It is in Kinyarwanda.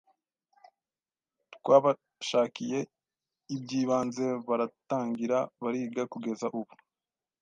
Twabashakiye iby’ibanze baratangira bariga kugeza ubu.